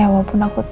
ya walaupun aku tau